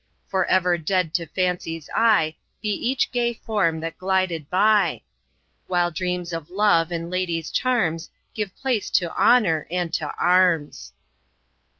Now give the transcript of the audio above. For ever dead to fancy's eye Be each gay form that glided by, While dreams of love and lady's charms Give place to honour and to arms!